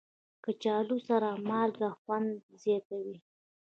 کچالو سره مالګه خوند زیاتوي